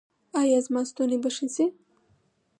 ایا زما ستونی به ښه شي؟